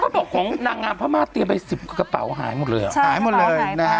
เขาบอกของนางพมา่เตรียมไปสิบกระเป๋าหายหมดเลยเหรอหายหมดเลยค่ะใช่